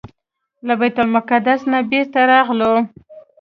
له بیت المقدس نه بیرته راغلو.